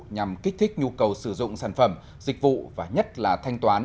nhằm kích thích nhu cầu sử dụng sản phẩm dịch vụ và nhất là thanh toán